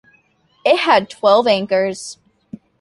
It had twelve anchors.